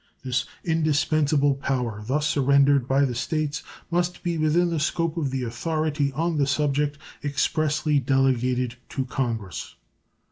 This indispensable power thus surrendered by the States must be within the scope of the authority on the subject expressly delegated to Congress.